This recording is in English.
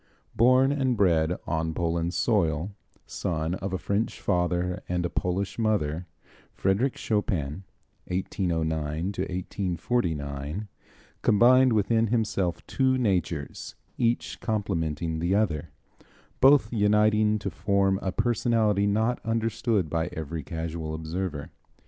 Born and bred on Poland's soil, son of a French father and a Polish mother, Frédéric Chopin (1809 1849) combined within himself two natures, each complementing the other, both uniting to form a personality not understood by every casual observer.